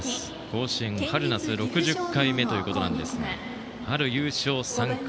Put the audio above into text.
甲子園は春夏６０回目ということですが春、優勝３回。